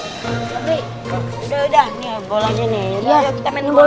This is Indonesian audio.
tapi udah udah ini ya bolanya nembel